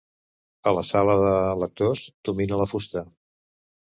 A la sala de lectors domina la fusta.